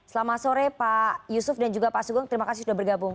selamat sore pak yusuf dan juga pak sugeng terima kasih sudah bergabung